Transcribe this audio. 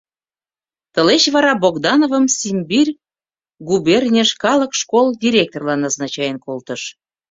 Тылеч вара Богдановым Симбирь губернийыш калык школ директорлан назначаен колтышт.